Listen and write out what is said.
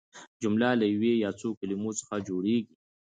جمله له یوې یا څو کلیمو څخه جوړیږي.